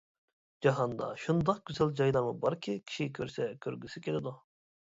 جاھاندا شۇنداق گۈزەل جايلارمۇ باركى، كىشى كۆرسە كۆرگۈسى كېلىدۇ.